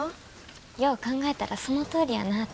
よう考えたらそのとおりやなって。